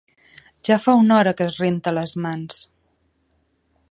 Ja fa una hora que es renta les mans.